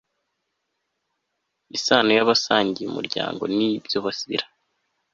isano y'abasangiye umuryango n'ibyo bazira